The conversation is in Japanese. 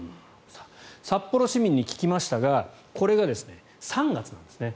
札幌市民に聞きましたがこれが３月なんですね。